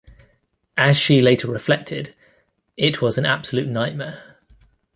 As she later reflected: It was an absolute nightmare.